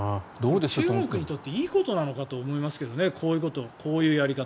中国にとっていいことなのかなと思いますけどねこういうこと、こういうやり方。